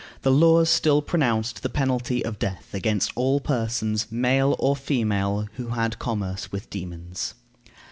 The laws still pronounced the penalty of death against all persons, male or female, who had commerce with demons.